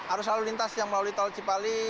arus lalu lintas yang melalui tol cipali